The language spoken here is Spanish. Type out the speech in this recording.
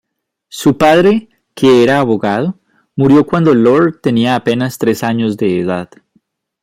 Su padre, que era abogado, murió cuando Lord tenía apenas tres años de edad.